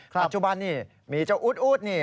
ปัจจุบันนี้มีเจ้าอู๊ดนี่